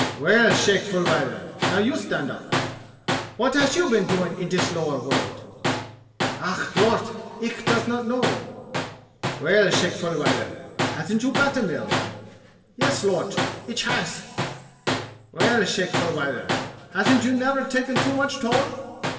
"Well, Shake Fulwiler, now you stand up. What hash you been doin in dis lower world?" "Ah! Lort, ich does not know." "Well, Shake Fulwiler, hasn't you got a mill?" "Yes, Lort, ich hash." "Well, Shake Fulwiler hasn't you never taken too much toll?"